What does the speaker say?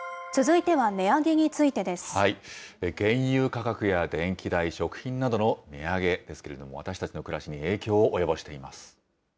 原油価格や電気代、食品などの値上げですけれども、私たちの暮らしに影響を及ぼしています。